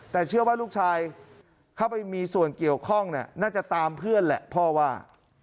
แต่เชื่อว่าลูกชายเข้าไปมีส่วนเกี่ยวข้องน่าจะตามเพื่อนแหละพ่อว่า